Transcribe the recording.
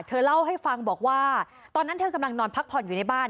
เธอเล่าให้ฟังบอกว่าตอนนั้นเธอกำลังนอนพักผ่อนอยู่ในบ้าน